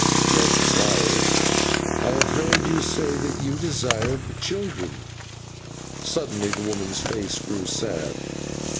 "Yet, wife, I have heard you say that you desired children." Suddenly the woman's face grew sad.